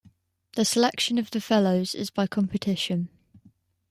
The selection of the Fellows is by competition.